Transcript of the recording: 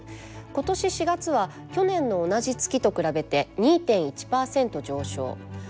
今年４月は去年の同じ月と比べて２．１％上昇。